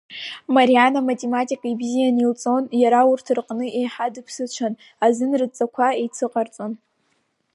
Мариана аматематика ибзианы илҵон, иара урҭ рҟны еиҳа дыԥсыҽын азы рыдҵақәа еицыҟарҵон.